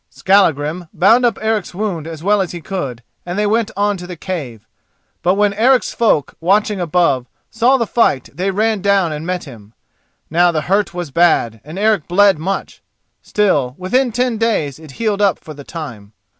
Skallagrim bound up Eric's wound as well as he could, and they went on to the cave. But when Eric's folk, watching above, saw the fight they ran down and met him. Now the hurt was bad and Eric bled much; still, within ten days it healed up for the time.